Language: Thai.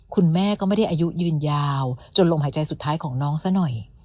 คุณแม่ก็ไม่ได้อายุยืนยาวจนลมหายใจสุดท้ายของน้องซะหน่อย